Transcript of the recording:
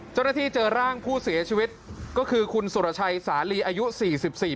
เจ้าหน้าที่เจอร่างผู้เสียชีวิตก็คือคุณสุรชัยสาลีอายุสี่สิบสี่